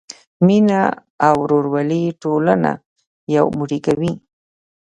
مینه او ورورولي ټولنه یو موټی کوي.